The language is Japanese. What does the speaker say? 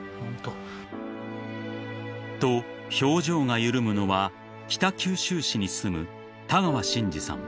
［と表情が緩むのは北九州市に住む田川進次さん。